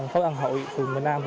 phố an hội phường miền nam